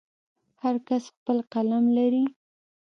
هر کس خپل قلم لري.